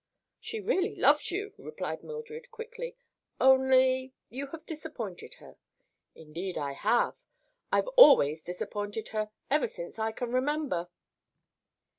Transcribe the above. "She really loves you," replied Mildred quickly; "only—you have disappointed her." "Indeed I have. I've always disappointed her, ever since I can remember."